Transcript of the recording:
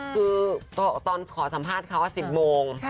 คือตอนขอสัมภาษณ์เขา๑๐โมง